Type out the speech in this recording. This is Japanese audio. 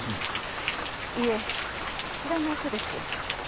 いえ知らない人です。